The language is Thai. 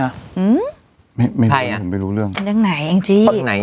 ไปเรื่องเลยไม่รู้เรื่องเรื่องยังไง